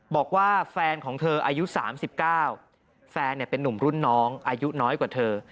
บอกว่าแฟนของเธออายุ๓๙แฟนเป็นนุ่มรุ่นน้องอายุน้อยกว่าเธอ